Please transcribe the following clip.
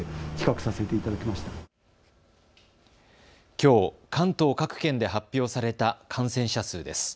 きょう、関東各県で発表された感染者数です。